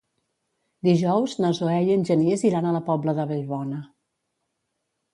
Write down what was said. Dijous na Zoè i en Genís iran a la Pobla de Vallbona.